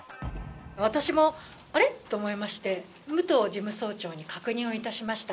私も、あれっ？と思いまして、武藤事務総長に確認をいたしました。